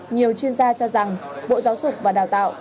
nhiều chuyên gia cho rằng bộ giáo dục và đào tạo